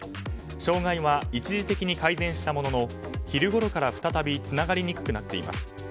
障害は一時的に改善したものの昼ごろから再びつながりにくくなっています。